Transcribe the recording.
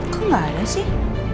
kok gak ada sih